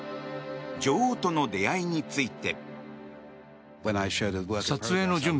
女王との出会いについて。